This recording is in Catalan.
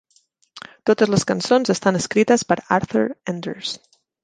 Totes les cançons estan escrites per Arthur Enders.